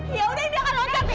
ya udah indi akan loncat di